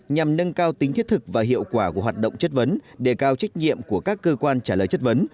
nhằm nâng cao tính thiết thực và hiệu quả của hoạt động chất vấn đề cao trách nhiệm của các cơ quan trả lời chất vấn